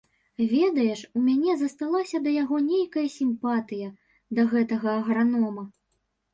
Ведаеш, у мяне засталася да яго нейкая сімпатыя, да гэтага агранома.